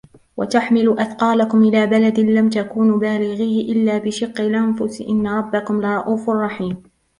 وَتَحْمِلُ أَثْقَالَكُمْ إِلَى بَلَدٍ لَمْ تَكُونُوا بَالِغِيهِ إِلَّا بِشِقِّ الْأَنْفُسِ إِنَّ رَبَّكُمْ لَرَءُوفٌ رَحِيمٌ